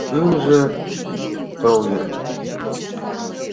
Ынже тол-я!..